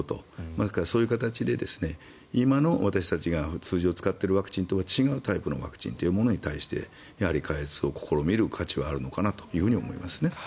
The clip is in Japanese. ですから、そういう形で今の私たちが通常使っているワクチンとは違うタイプのワクチンに対してやはり開発を試みる価値はあるのかと思いますね。